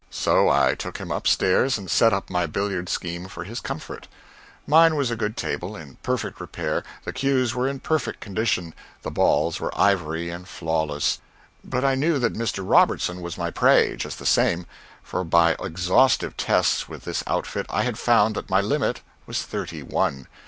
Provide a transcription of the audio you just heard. So I took him up stairs and set up my billiard scheme for his comfort. Mine was a good table, in perfect repair; the cues were in perfect condition; the balls were ivory, and flawless but I knew that Mr. Robertson was my prey, just the same, for by exhaustive tests with this outfit I had found that my limit was thirty one.